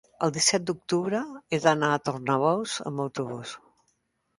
el disset d'octubre he d'anar a Tornabous amb autobús.